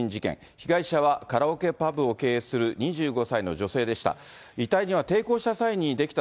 被害者はカラオケパブを経営する２５歳の女性でした。